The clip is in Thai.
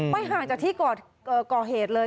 ห่างจากที่ก่อเหตุเลย